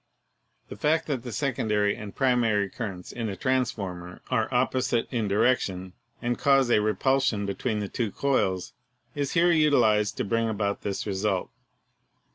The fact that the secondary and primary currents in a transformer are 2»o ELECTRICITY opposite in direction and cause a repulsion between the two coils is here utilized to bring about this result.